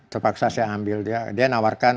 terpaksa saya ambil dia nawarkan